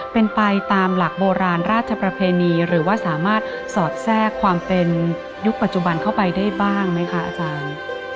เป็นไปตามหลักโบราณราชประเพณีหรือว่าสามารถสอดแทรกความเป็นยุคปัจจุบันเข้าไปได้บ้างไหมคะอาจารย์